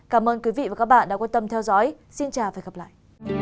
cảm ơn quý vị và các bạn đã quan tâm theo dõi xin chào và hẹn gặp lại